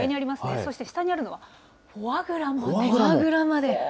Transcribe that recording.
そして下にあるのは、フォアグラです。